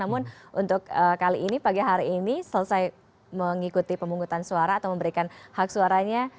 namun untuk kali ini pagi hari ini selesai mengikuti pemungutan suara atau memberikan hak suaranya